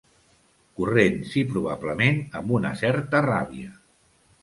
Corrents, i probablement amb una certa ràbia.